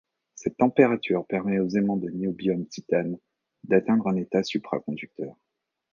Cette température permet aux aimants de niobium-titane d'atteindre un état supraconducteur.